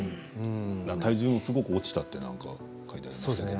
体重もすごく落ちたと書いてありましたね。